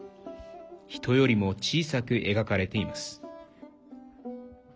人よりも小さく描かれています。